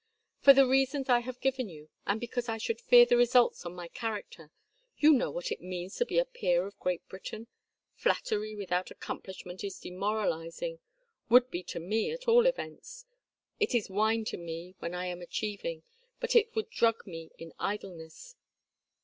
"For the reasons I have given you, and because I should fear the results on my character. You know what it means to be a peer of Great Britain. Flattery without accomplishment is demoralizing would be to me, at all events. It is wine to me when I am achieving, but it would drug me in idleness.